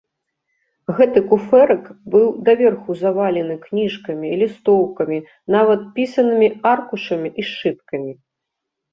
Гэты куфэрак быў даверху завалены кніжкамі, лістоўкамі, нават пісанымі аркушамі і сшыткамі.